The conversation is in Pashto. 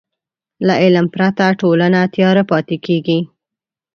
له علم پرته ټولنه تیاره پاتې کېږي.